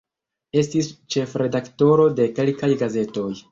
Estis ĉefredaktoro de kelkaj gazetoj.